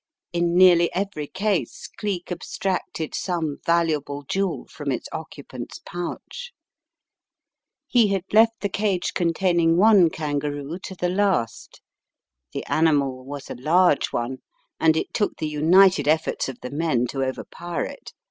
In nearly every case Cleek ab stracted some valuable jewel from its occupant's pouch. He had left the cage containing one kan garoo to the last. The animal was a large one, and An Unexpected Contretemps 289 it took the united efforts of the men to overpower it.